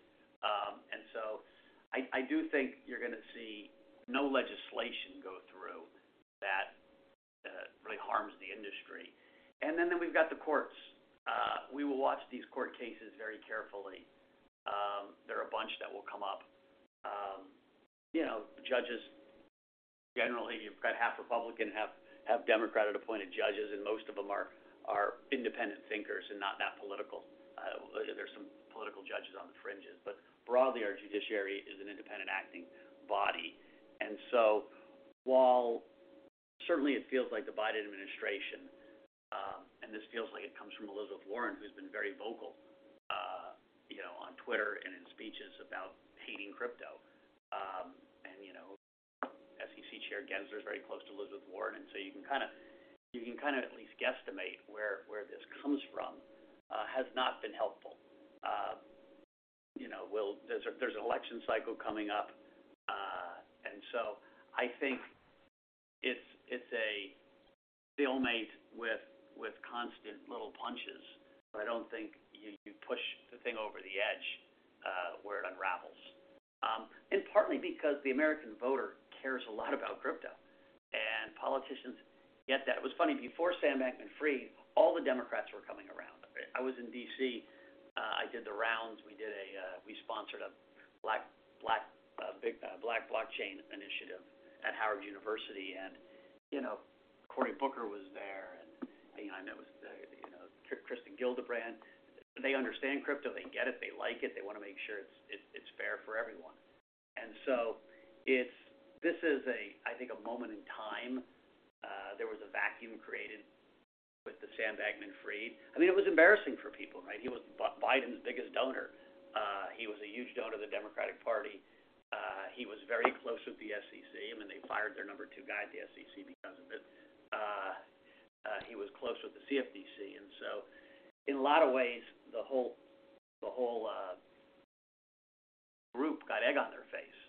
I do think you're gonna see no legislation go through that really harms the industry. Then we've got the courts. We will watch these court cases very carefully. There are a bunch that will come up. You know, judges, generally, you've got half Republican, half Democrat appointed judges, and most of them are independent thinkers and not that political. There's some political judges on the fringes, but broadly, our judiciary is an independent acting body. While certainly it feels like the Biden administration, and this feels like it comes from Elizabeth Warren, who's been very vocal, you know, on Twitter and in speeches about hating crypto. You know, SEC Chair Gensler is very close to Elizabeth Warren, and so you can kinda at least guesstimate where this comes from, has not been helpful. You know, there's an election cycle coming up, I think it's a stalemate with constant little punches, but I don't think you push the thing over the edge where it unravels. Partly because the American voter cares a lot about crypto, and politicians get that. It was funny. Before Sam Bankman-Fried, all the Democrats were coming around. I was in D.C., I did the rounds. We did a, we sponsored a Black, big, Black blockchain initiative at Howard University. You know, Cory Booker was there, you know, I met with the, you know, Kirsten Gillibrand. They understand crypto. They get it. They like it. They wanna make sure it's fair for everyone. This is a, I think, a moment in time. There was a vacuum created with the Sam Bankman-Fried. I mean, it was embarrassing for people, right? He was Biden's biggest donor. He was a huge donor to the Democratic Party. He was very close with the SEC, and then they fired their number two guy at the SEC because of it. He was close with the CFTC. In a lot of ways, the whole, the whole group got egg on their face,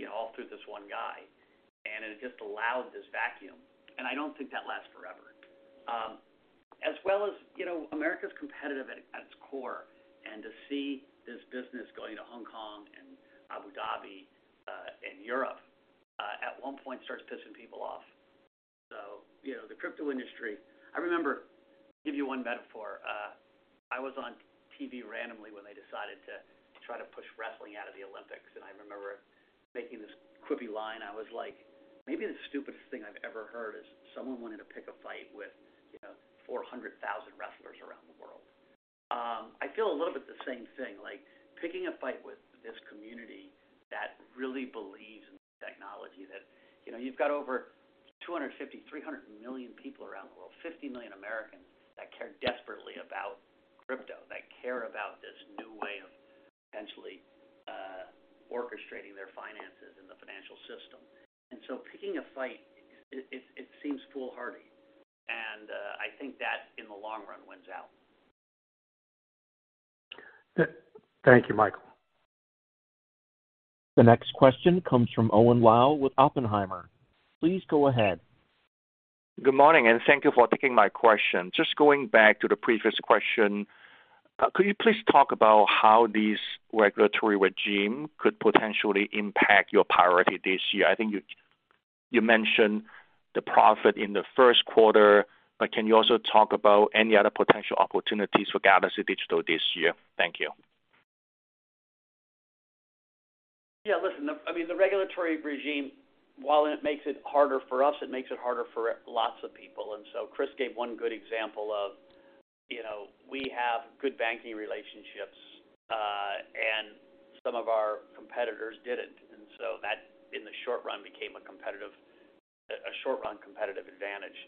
you know, all through this one guy, and it just allowed this vacuum. I don't think that lasts forever. As well as, you know, America's competitive at its core, and to see this business going to Hong Kong and Abu Dhabi and Europe, at one point starts pissing people off. You know, the crypto industry... I remember, give you one metaphor, I was on TV randomly when they decided to try to push wrestling out of the Olympics, and I remember making this quippy line. I was like, "Maybe the stupidest thing I've ever heard is someone wanting to pick a fight with, you know, 400,000 wrestlers around the world." I feel a little bit the same thing, like picking a fight with this community that really believes in the technology that, you know, you've got over 250, 300 million people around the world, 50 million Americans that care desperately about crypto, that care about this new way of potentially, orchestrating their finances in the financial system. Picking a fight, it seems foolhardy, and, I think that, in the long run, wins out. Thank you, Michael. The next question comes from Owen Lau with Oppenheimer. Please go ahead. Good morning, and thank you for taking my question. Just going back to the previous question, could you please talk about how this regulatory regime could potentially impact your priority this year? I think you mentioned the profit in the first quarter, can you also talk about any other potential opportunities for Galaxy Digital this year? Thank you. Yeah. Listen, I mean, the regulatory regime, while it makes it harder for us, it makes it harder for lots of people. Chris gave one good example of, you know, we have good banking relationships, and some of our competitors didn't. That, in the short run, became a short-run competitive advantage.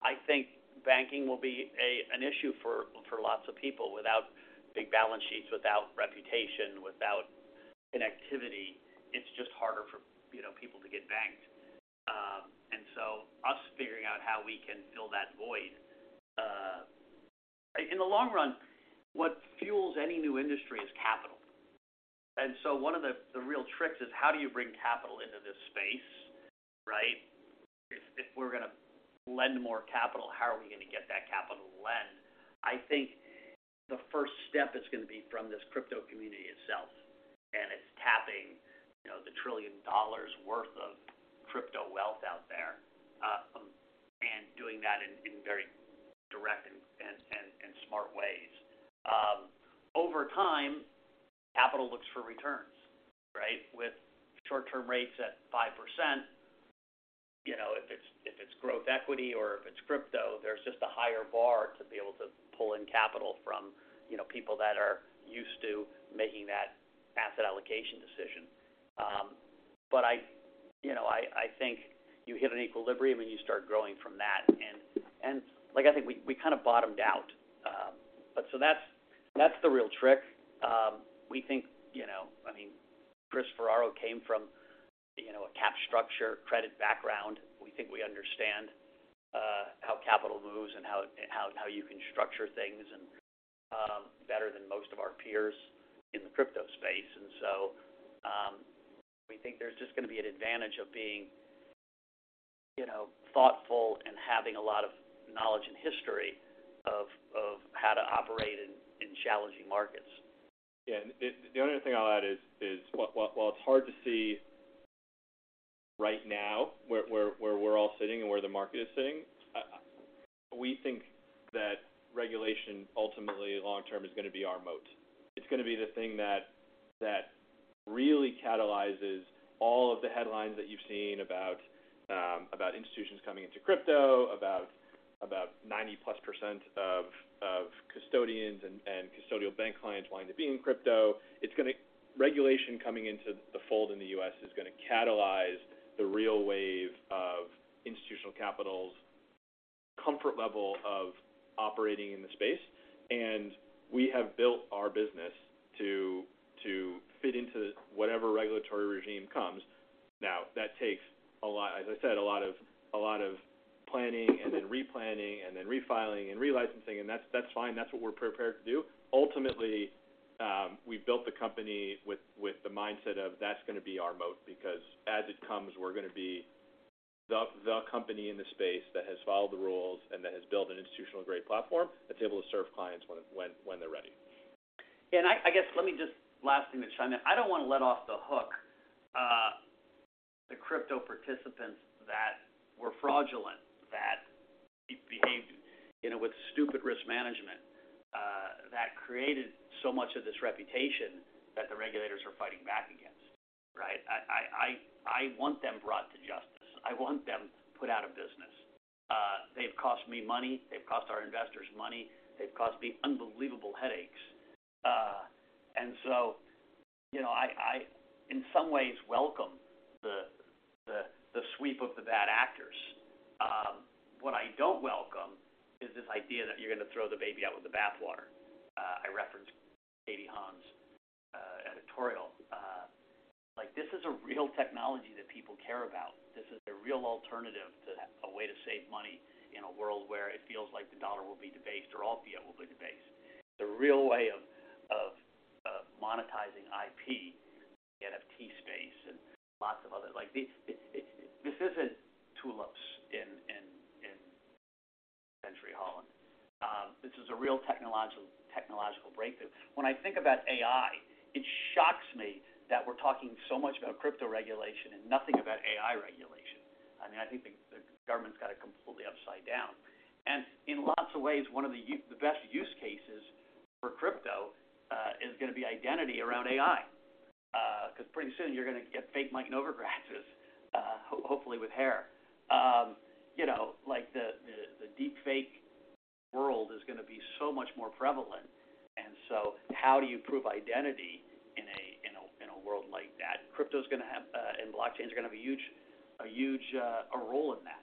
I think banking will be an issue for lots of people. Without big balance sheets, without reputation, without connectivity, it's just harder for, you know, people to get banked. Us figuring out how we can fill that void. In the long run, what fuels any new industry is capital. One of the real tricks is how do you bring capital into this space, right? If we're gonna lend more capital, how are we gonna get that capital to lend? I think the first step is going to be from this crypto community itself, and it's tapping, you know, the $1 trillion worth of crypto wealth out there, and doing that in very direct and smart ways. Over time, capital looks for returns, right? With short-term rates at 5%, you know, if it's growth equity or if it's crypto, there's just a higher bar to be able to pull in capital from, you know, people that are used to making that asset allocation decision. I, you know, I think you hit an equilibrium and you start growing from that. Like, I think we kind of bottomed out. That's the real trick. We think, you know, I mean, Christopher Ferraro came from, you know, a cap structure credit background. We think we understand how capital moves and how you can structure things and better than most of our peers in the crypto space. We think there's just gonna be an advantage of being, you know, thoughtful and having a lot of knowledge and history of how to operate in challenging markets. Yeah. The only other thing I'll add is, while it's hard to see right now where we're all sitting and where the market is sitting, we think that regulation ultimately long term is gonna be our moat. It's gonna be the thing that really catalyzes all of the headlines that you've seen about institutions coming into crypto, about 90%+ of custodians and custodial bank clients wanting to be in crypto. Regulation coming into the fold in the U.S. is gonna catalyze the real wave of institutional capital's comfort level of operating in the space. We have built our business to fit into whatever regulatory regime comes. Now, that takes a lot, as I said, a lot of planning and then replanning, and then refiling and relicensing, and that's fine. That's what we're prepared to do. Ultimately, we've built the company with the mindset of that's gonna be our moat because as it comes, we're gonna be the company in the space that has followed the rules and that has built an institutional-grade platform that's able to serve clients when they're ready. Yeah. I guess let me just last thing to chime in. I don't wanna let off the hook, the crypto participants that were fraudulent, that behaved, you know, with stupid risk management, that created so much of this reputation that the regulators are fighting back against, right? I want them brought to justice. I want them put out of business. They've cost me money. They've cost our investors money. They've cost me unbelievable headaches. You know, I in some ways welcome the sweep of the bad actors. What I don't welcome is this idea that you're gonna throw the baby out with the bathwater. I referenced Katie Haun's editorial. Like, this is a real technology that people care about. This is a real alternative to a way to save money in a world where it feels like the dollar will be debased or all fiat will be debased. It's a real way of monetizing IP, the NFT space, and lots of other. Like, this isn't tulips in century Holland. This is a real technological breakthrough. When I think about AI, it shocks me that we're talking so much about crypto regulation and nothing about AI regulation. I mean, I think the government's got it completely upside down. In lots of ways, one of the best use cases for crypto is gonna be identity around AI. 'Cause pretty soon you're gonna get fake Mike Novogratzes, hopefully with hair. you know, like, the deepfake world is gonna be so much more prevalent, how do you prove identity in a world like that? Crypto's gonna have, and blockchains are gonna have a huge role in that.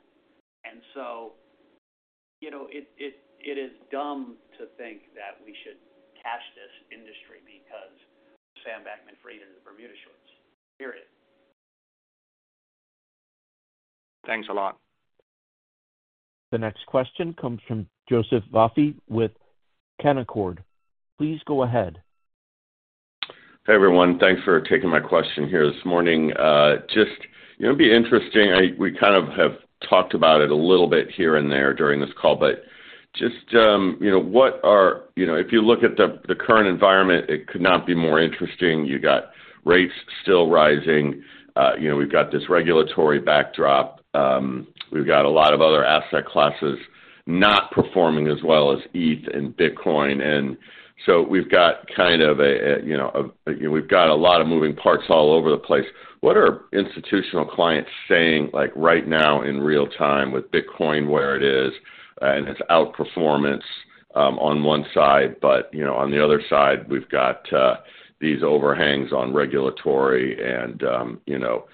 you know, it is dumb to think that we should cash this industry because of Sam Bankman-Fried and the Bermuda Shorts, period. Thanks a lot. The next question comes from Joseph Vafi with Canaccord. Please go ahead. Hey, everyone. Thanks for taking my question here this morning. Just, you know, it'd be interesting, we kind of have talked about it a little bit here and there during this call, but just, you know, what are... You know, if you look at the current environment, it could not be more interesting. You got rates still rising. You know, we've got this regulatory backdrop. We've got a lot of other asset classes not performing as well as ETH and Bitcoin. So we've got kind of, you know, a lot of moving parts all over the place. What are institutional clients saying, like, right now in real time with Bitcoin where it is and its outperformance, on one side, but, you know, on the other side, we've got, these overhangs on regulatory and, you know,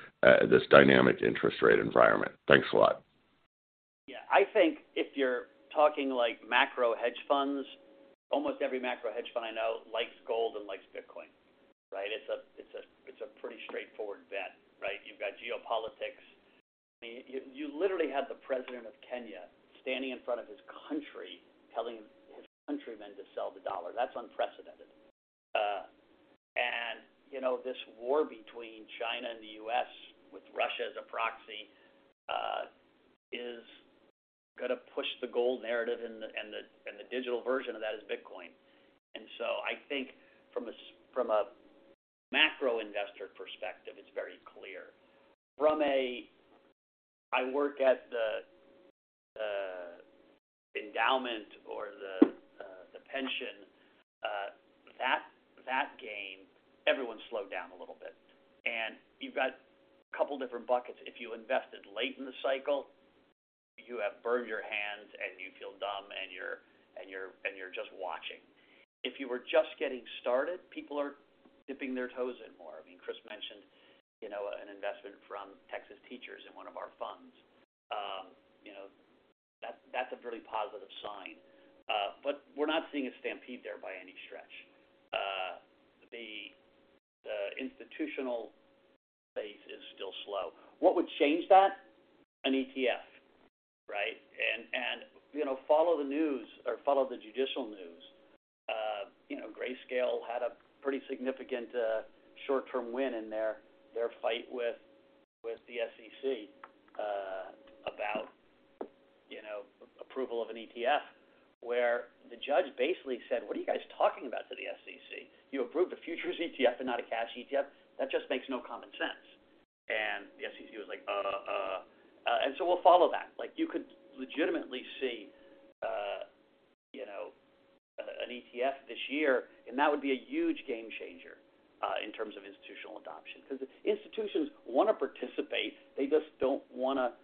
this dynamic interest rate environment? Thanks a lot. Yeah. I think if you're talking like macro hedge funds, almost every macro hedge fund I know likes gold and likes Bitcoin, right? It's a, it's a, it's a pretty straightforward bet, right? You've got geopolitics. I mean, you literally had the president of Kenya standing in front of his country telling his countrymen to sell the dollar. That's unprecedented. You know, this war between China and the U.S. with Russia as a proxy is gonna push the gold narrative, and the, and the, and the digital version of that is Bitcoin. I think from a macro investor perspective, it's very clear. From a, "I work at the endowment or the pension," that game, everyone's slowed down a little bit. You've got a couple different buckets. If you invested late in the cycle, you have burned your hands and you feel dumb and you're just watching. If you were just getting started, people are dipping their toes in more. I mean, Chris mentioned, you know, an investment from Texas Teachers in one of our funds. You know, that's a very positive sign. We're not seeing a stampede there by any stretch. The institutional space is still slow. What would change that? An ETF, right? You know, follow the news or follow the judicial news. You know, Grayscale had a pretty significant short-term win in their fight with the SEC about, you know, approval of an ETF, where the judge basically said, "What are you guys talking about?" to the SEC. You approve a futures ETF and not a cash ETF? That just makes no common sense." The SEC was like. We'll follow that. Like, you could legitimately see, you know, an ETF this year, and that would be a huge game changer in terms of institutional adoption. 'Cause institutions wanna participate. They just don't wanna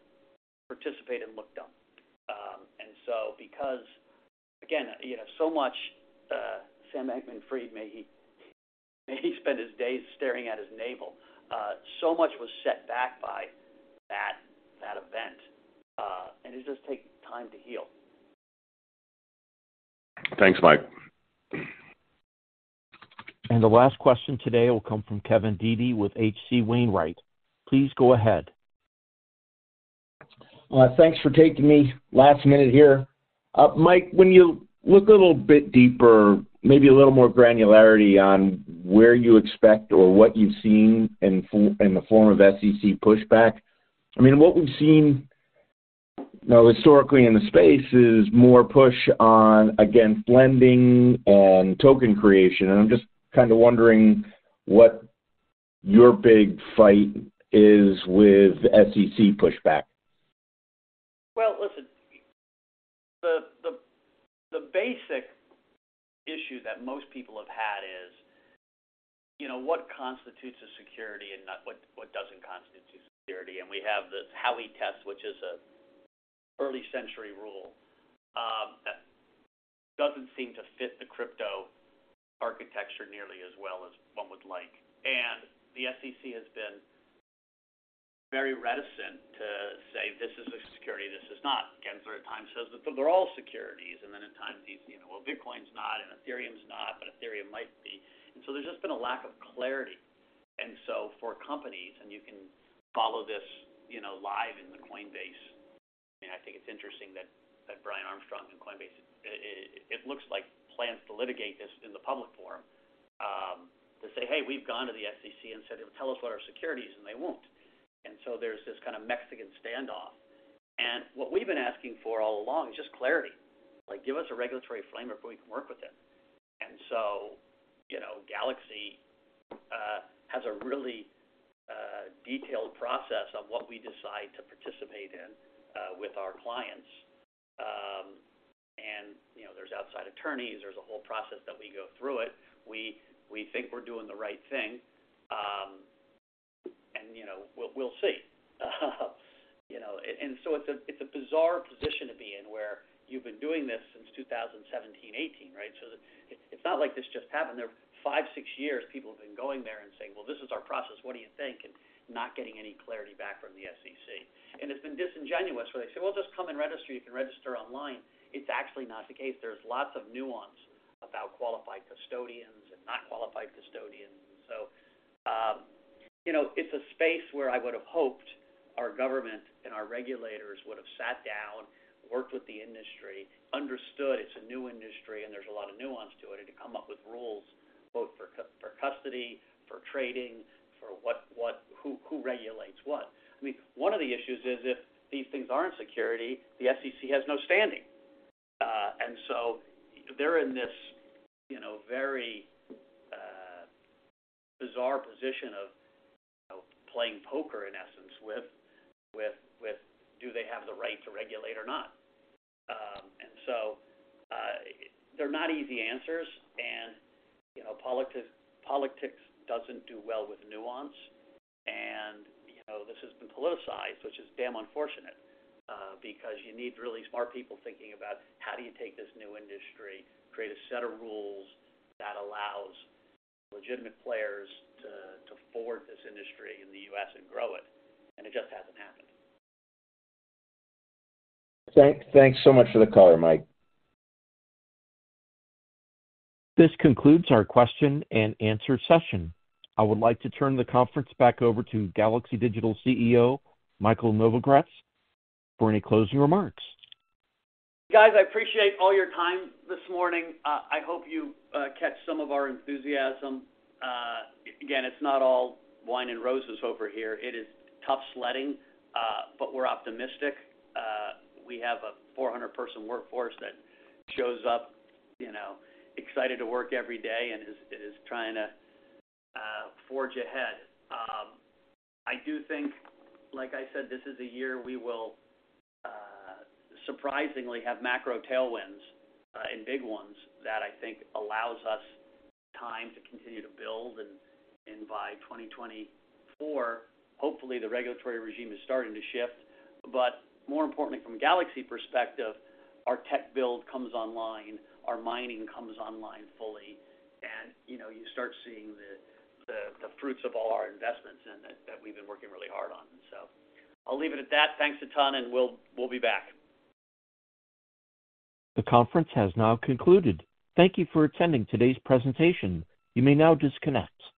participate and look dumb. Because, again, you know, so much, Sam Bankman-Fried, may he, may he spend his days staring at his navel. So much was set back by that event, and it just takes time to heal. Thanks, Mike. The last question today will come from Kevin Dede with H.C. Wainwright. Please go ahead. Thanks for taking me last minute here. Mike, when you look a little bit deeper, maybe a little more granularity on where you expect or what you've seen in the form of SEC pushback. I mean, what we've seen, you know, historically in the space is more push on, again, lending and token creation, and I'm just kinda wondering what your big fight is with SEC pushback. Well, listen, the basic issue that most people have had is, you know, what constitutes a security and what doesn't constitute security. We have this Howey Test, which is a early century rule, that doesn't seem to fit the crypto architecture nearly as well as one would like. The SEC has been very reticent to say, "This is a security. This is not." Gensler at times says that they're all securities, and then at times he's, you know, "Well, Bitcoin's not, and Ethereum's not, but Ethereum might be." There's just been a lack of clarity. For companies, and you can follow this, you know, live in the Coinbase, I mean, I think it's interesting that Brian Armstrong and Coinbase, it looks like plans to litigate this in the public forum, to say, "Hey, we've gone to the SEC and said, 'Tell us what are securities,' and they won't." There's this kinda Mexican standoff. What we've been asking for all along is just clarity. Like, give us a regulatory framework we can work within. You know, Galaxy has a really detailed process of what we decide to participate in with our clients. You know, there's outside attorneys, there's a whole process that we go through it. We think we're doing the right thing. You know, we'll see. You know, it's a, it's a bizarre position to be in, where you've been doing this since 2017, 2018, right? It's, it's not like this just happened. There, five, six years people have been going there and saying, "Well, this is our process. What do you think?" Not getting any clarity back from the SEC. It's been disingenuous where they say, "Well, just come and register. You can register online." It's actually not the case. There's lots of nuance about qualified custodians and not qualified custodians. You know, it's a space where I would have hoped our government and our regulators would have sat down, worked with the industry, understood it's a new industry and there's a lot of nuance to it, and to come up with rules both for custody, for trading, for who regulates what? I mean, one of the issues is if these things aren't security, the SEC has no standing. They're in this, you know, very bizarre position of playing poker in essence with do they have the right to regulate or not? They're not easy answers. You know, politics doesn't do well with nuance. You know, this has been politicized, which is damn unfortunate, because you need really smart people thinking about how do you take this new industry, create a set of rules that allows legitimate players to forward this industry in the U.S. and grow it, and it just hasn't happened. Thanks so much for the color, Mike. This concludes our question and answer session. I would like to turn the conference back over to Galaxy Digital CEO Michael Novogratz for any closing remarks. Guys, I appreciate all your time this morning. I hope you catch some of our enthusiasm. Again, it's not all wine and roses over here. It is tough sledding, but we're optimistic. We have a 400 person workforce that shows up, you know, excited to work every day and is trying to forge ahead. I do think, like I said, this is a year we will surprisingly have macro tailwinds and big ones that I think allows us time to continue to build. By 2024, hopefully the regulatory regime is starting to shift. More importantly, from a Galaxy perspective, our tech build comes online, our mining comes online fully, and, you know, you start seeing the fruits of all our investments and that we've been working really hard on. I'll leave it at that. Thanks a ton, and we'll be back. The conference has now concluded. Thank you for attending today's presentation. You may now disconnect.